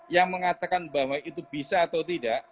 yang mengatakan bahwa itu bisa atau tidak